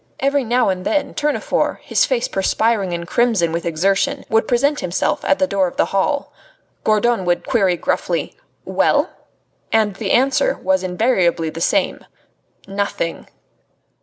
Every now and then Tournefort, his face perspiring and crimson with exertion, would present himself at the door of the hall. Gourdon would query gruffly: "Well?" And the answer was invariably the same: "Nothing!"